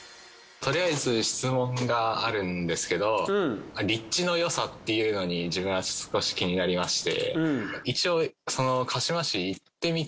とりあえず質問があるんですけど立地の良さっていうのに自分は少し気になりまして。